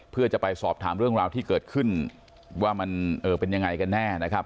เพื่อจะไปสอบถามเรื่องราวที่เกิดขึ้นว่ามันเป็นยังไงกันแน่นะครับ